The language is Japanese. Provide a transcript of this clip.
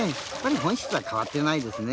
本質は変わってないですね。